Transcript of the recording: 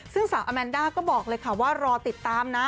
ซึ่งสาวอาแมนด้าก็บอกเลยค่ะว่ารอติดตามนะ